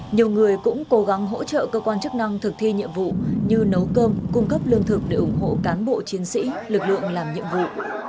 nhiều người cũng cố gắng hỗ trợ cơ quan chức năng thực thi nhiệm vụ như nấu cơm cung cấp lương thực để ủng hộ cán bộ chiến sĩ lực lượng làm nhiệm vụ